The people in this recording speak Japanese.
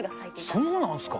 そうなんすか。